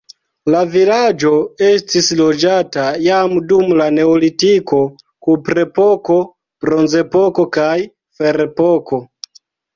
La vilaĝo estis loĝata jam dum la neolitiko, kuprepoko, bronzepoko kaj ferepoko.